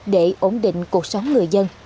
để ổn định cuộc sống người dân